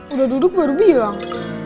udah duduk baru bilang